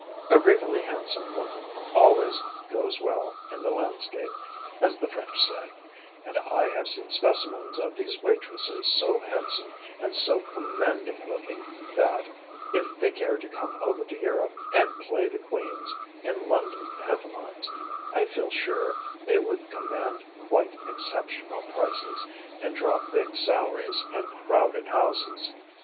A regally handsome woman always "goes well in the landscape," as the French say, and I have seen specimens of these waitresses so handsome and so commanding looking that, if they cared to come over to Europe and play the queens in London pantomimes, I feel sure they would command quite exceptional prices, and draw big salaries and crowded houses.